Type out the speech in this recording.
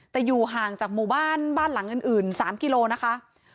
แต่อยู่ห่างจากหมู่บ้านบ้านหลังอื่น๓กิโลนะคะ